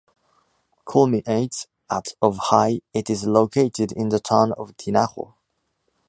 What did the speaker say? Culminate at of high, it is located in the town of Tinajo.